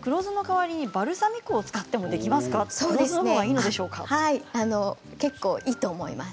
黒酢の代わりにバルサミコ酢を使ってもいいですかいいと思います。